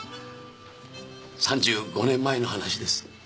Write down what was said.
３５年前の話です。